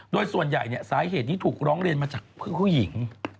โดยส่วนใหญ่สาเหตุนี้ถูกร้องเรียนมาจากเพื่อนผู้หญิง